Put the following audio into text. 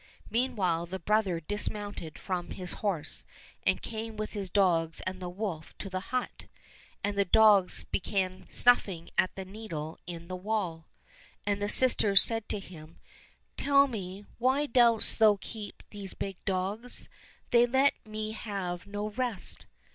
Meanwhile the brother dismounted from his horse and came with his dogs and the wolf to the hut, and the dogs began snuffing at the needle in the wall. And his sister said to him, " Tell me, why dost thou keep these big dogs ? They let me have no rest."